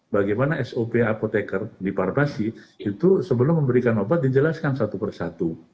bagaimana sop apotekar di parbasi itu sebelum memberikan obat dijelaskan satu persatu